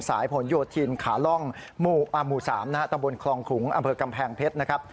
สายผลโยทินขาล่องหมู่๓ตำบลคลองขุงอำเภอกำแพงเพชร